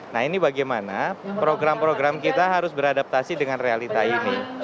nah ini bagaimana program program kita harus beradaptasi dengan realita ini